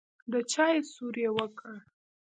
د چايو سور يې وکړ.